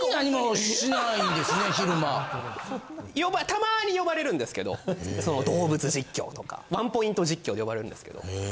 たまに呼ばれるんですけど動物実況とかワンポイント実況で呼ばれるんですけど。